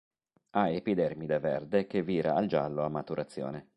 Ha epidermide verde che vira al giallo a maturazione.